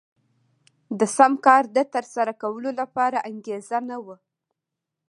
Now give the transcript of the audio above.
د سم کار د ترسره کولو لپاره انګېزه نه وه.